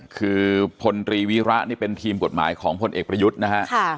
คือพลตรีวีระนี่เป็นทีมกฎหมายของพลเอกประยุทธ์นะฮะ